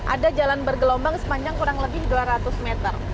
ada jalan bergelombang sepanjang kurang lebih dua ratus meter